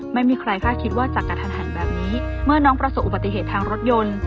ไม่มีใครคาดคิดว่าจะกระทันหันแบบนี้เมื่อน้องประสบอุบัติเหตุทางรถยนต์